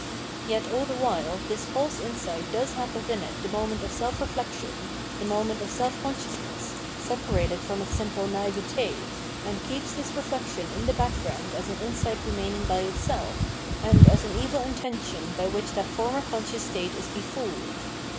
Yet all the while this false insight does have within it the moment of self reflection, the moment of self con sciousness, separated from its simple naivete, and keeps this reflection in the background as an insight remain ing by itself, and as an evil intention by which that that former conscious state is befooled.